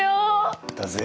やったぜ。